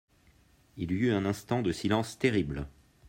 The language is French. Il y eut un instant de silence terrible.